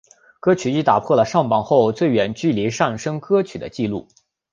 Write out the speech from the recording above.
歌曲亦打破了上榜后最远距离上升歌曲的记录。